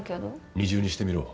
二重にしてみろ。